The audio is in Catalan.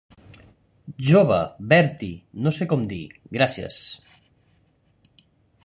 Jove, Bertie, no sé com dir gràcies.